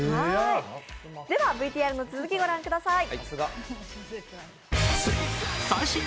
ではＶＴＲの続き御覧ください。